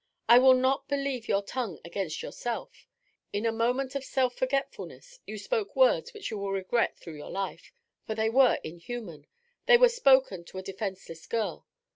I will not believe your tongue against yourself. In a moment of self forgetfulness you spoke words which you will regret through your life, for they were inhuman, and were spoken to a defenceless girl.